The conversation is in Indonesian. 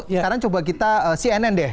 sekarang coba kita cnn deh